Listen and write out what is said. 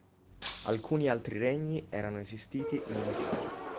Alcuni altri regni erano esistiti nel Medioevo.